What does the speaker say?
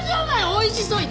おいしそう！